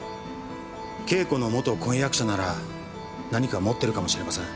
慶子の元婚約者なら何か持ってるかもしれません。